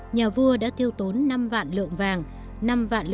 nhà vua đã tiêu tốn năm vạn lượng vạn